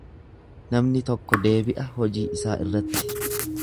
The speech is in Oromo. Namni tokko deebi'a hojii isaa irratti.